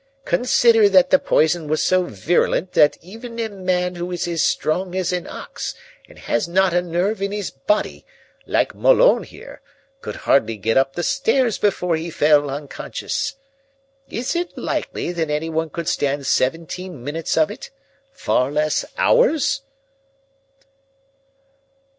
"Consider that the poison was so virulent that even a man who is as strong as an ox and has not a nerve in his body, like Malone here, could hardly get up the stairs before he fell unconscious. Is it likely that anyone could stand seventeen minutes of it, far less hours?"